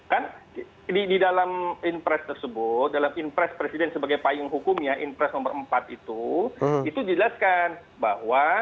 kan di dalam in press tersebut dalam in press presiden sebagai payung hukumnya in press nomor empat itu itu dijelaskan bahwa